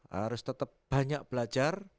harus tetap banyak belajar